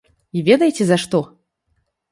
І ведаеце за што?